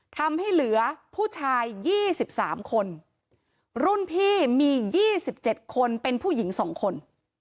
ทำให้เหลือผู้ชาย๒๓คนรุ่นพี่มี๒๗คนเป็นผู้หญิง๒คน